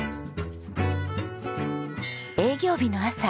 営業日の朝。